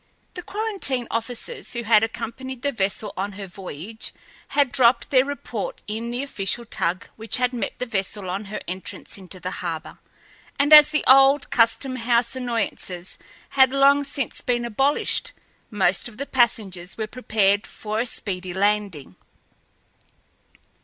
The quarantine officers, who had accompanied the vessel on her voyage, had dropped their report in the official tug which had met the vessel on her entrance into the harbor, and as the old custom house annoyances had long since been abolished, most of the passengers were prepared for a speedy landing.